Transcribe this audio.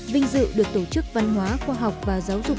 vinh dự được tổ chức văn hóa khoa học và giáo dục